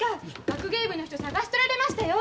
学芸部の人捜しとられましたよ。